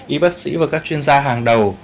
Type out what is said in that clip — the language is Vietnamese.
y bác sĩ và các chuyên gia hàng đầu